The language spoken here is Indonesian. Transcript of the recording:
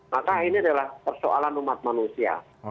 maka ini adalah persoalan umat manusia